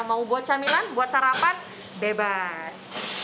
mau buat camilan buat sarapan bebas